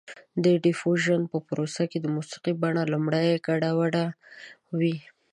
د ډیفیوژن په پروسه کې د موسیقۍ بڼه لومړی ګډه وډه وي